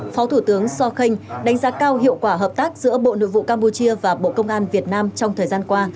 phó thủ tướng sokhang đánh giá cao hiệu quả hợp tác giữa bộ nội vụ campuchia và bộ công an việt nam trong thời gian qua